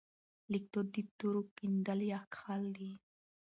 لیکدود د تورو کیندل یا کښل دي.